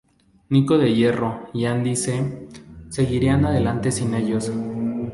Niko del Hierro y Andy C. seguirían adelante sin ellos.